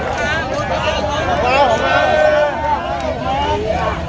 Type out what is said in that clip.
เฮียเฮียเฮีย